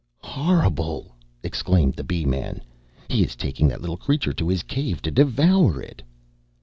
"Horrible!" exclaimed the Bee man. "He is taking that little creature to his cave to devour it."